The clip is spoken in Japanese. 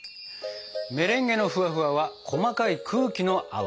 メレンゲのフワフワは細かい空気の泡。